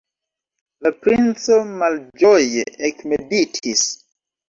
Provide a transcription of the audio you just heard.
La princo malĝoje ekmeditis.